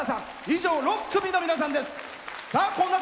以上、６組の皆さんです。